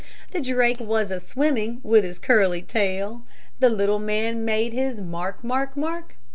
The drake was a swimming with his curly tail; The little man made it his mark, mark, mark.